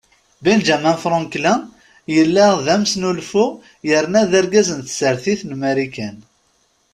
Benjamin Franklin yella d amesnulfu yerna d argaz n tsertit n Marikan.